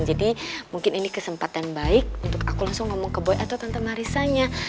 jadi mungkin ini kesempatan baik untuk aku langsung ngomong ke boy atau tante marisanya